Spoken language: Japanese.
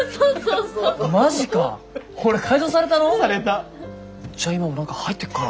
じゃあ今も何か入ってっかな。